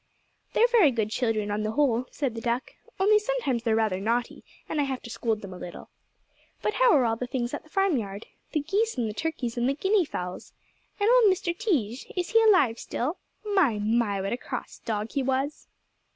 "They're very good children, on the whole," said the duck, "only sometimes they're rather naughty, and I have to scold them a little. But how are all the things at the farmyard? The geese and the turkeys and the guinea fowls? And old Mr. Tige? Is he alive still? My, my! What a cross dog he was."